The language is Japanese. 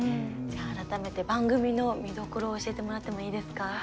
じゃあ改めて番組の見どころを教えてもらってもいいですか？